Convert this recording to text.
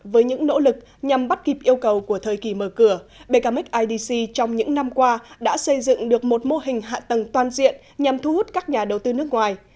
với những nỗ lực nhằm bắt kịp yêu cầu của thời kỳ mở cửa bkmac idc trong những năm qua đã xây dựng được một mô hình hạ tầng toàn diện nhằm thu hút các nhà đầu tư nước ngoài